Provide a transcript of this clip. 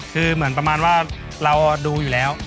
คือเหมือนประมาณว่าเราดูอยู่แล้ว